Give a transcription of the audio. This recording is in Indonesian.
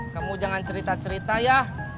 kamu jangan cerita cerita ya